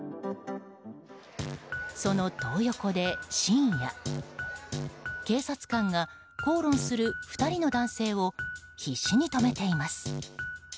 そのトー横で深夜警察官が、口論する２人の男性を必死に止めています。